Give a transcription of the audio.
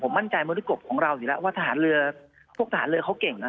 มั่นใจมริกบของเราอยู่แล้วว่าทหารเรือพวกทหารเรือเขาเก่งนะ